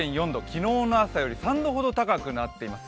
昨日の朝より３度ほど高くなっています。